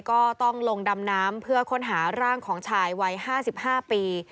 ก็ต้องลงดำน้ำเพื่อค้นหาร่างของชายวัย๕๕ปี